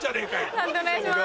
判定お願いします。